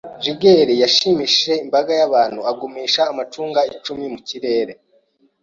Jugler yashimishije imbaga y'abantu agumisha amacunga icumi mu kirere.